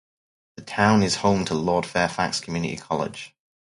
The town is home to Lord Fairfax Community College.